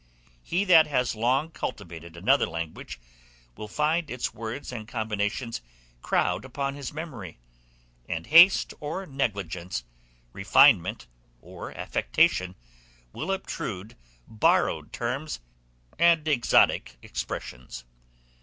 He that has long cultivated another language, will find its words and combinations crowd upon his memory; and haste and negligence, refinement and affectation, will obtrude borrowed terms and exotic expressions.